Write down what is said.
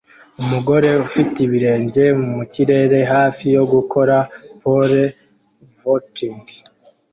umugore ufite ibirenge mu kirere hafi yo gukora pole vaulting